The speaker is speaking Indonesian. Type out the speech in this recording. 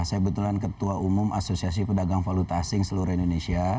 saya kebetulan ketua umum asosiasi pedagang valuta asing seluruh indonesia